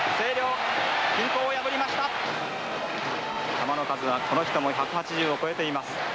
球の数はこの人も１８０を超えています。